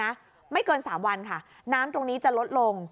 ไม่เกินสามวันค่ะน้ำตรงนี้จะลดลง